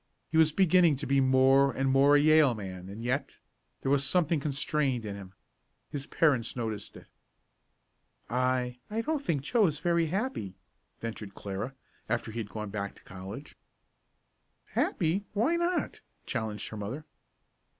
He was beginning to be more and more a Yale man and yet there was something constrained in him. His parents noticed it. "I I don't think Joe is very happy," ventured Clara, after he had gone back to college. "Happy why not?" challenged her mother.